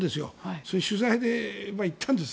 そういう取材で行ったんです。